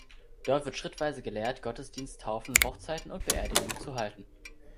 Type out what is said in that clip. Dort wird schrittweise gelehrt, Gottesdienst, Taufen, Hochzeiten und Beerdigungen zu halten.